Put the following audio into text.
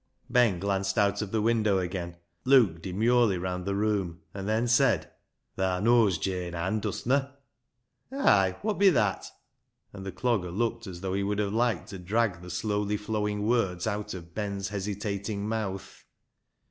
Ben glanced out of the window again, looked demurely round the room, and then said — "Thaa knows Jane Ann, dust na?" " Ay ! wot bi that ?" and the Clogger looked as though he would have liked to drag the slowly flowing words out of Ben's hesitating mouth.